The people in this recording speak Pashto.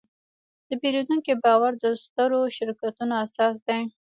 د پیرودونکي باور د سترو شرکتونو اساس دی.